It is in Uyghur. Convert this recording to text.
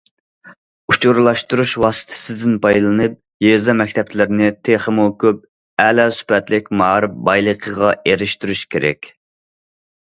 ئۇچۇرلاشتۇرۇش ۋاسىتىسىدىن پايدىلىنىپ، يېزا مەكتەپلىرىنى تېخىمۇ كۆپ ئەلا سۈپەتلىك مائارىپ بايلىقىغا ئېرىشتۈرۈش كېرەك.